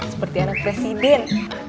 seperti anak presiden